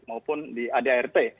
maupun di adrt